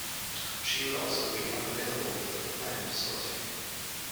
She would also be unavailable for the planned sortie.